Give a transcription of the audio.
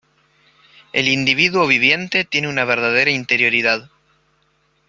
El individuo viviente tiene una verdadera interioridad.